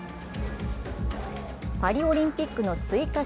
パリオリンピックの追加